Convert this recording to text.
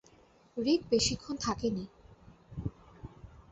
রিক বেশীক্ষণ থাকেনি।